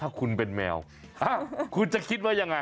ถ้าคุณเป็นแมวคุณจะคิดว่ายังไง